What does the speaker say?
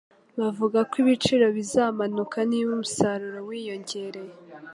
Bavuga ko ibiciro bizamanuka niba umusaruro wiyongereye.